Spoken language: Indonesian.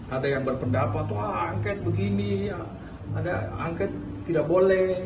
ada yang berpendapat ah angkit begini ada angkit tidak boleh